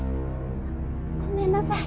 ごめんなさい。